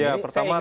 ya pertama tadi